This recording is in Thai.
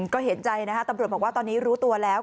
ก็เห็นใจนะคะตำรวจบอกว่าตอนนี้รู้ตัวแล้ว